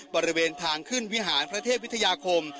บริเวณทางขึ้นวิหารพระเทพวิทยาคม